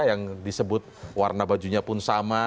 yang disebut warna bajunya pun sama